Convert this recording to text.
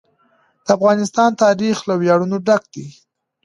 د افغانستان تاریخ له ویاړونو ډک دی.